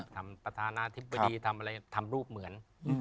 ทำประธานาธิบดีทำรูปเหมือน